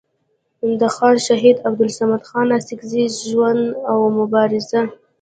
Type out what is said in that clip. د خان شهید عبدالصمد خان اڅکزي ژوند او مبارزه